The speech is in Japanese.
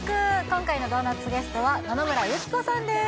今回のドーナツゲストは野々村友紀子さんです